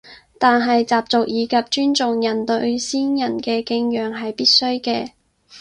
但係習俗以及尊重人對先人嘅敬仰係必須嘅